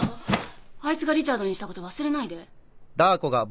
あいつがリチャードにしたこと忘れないで。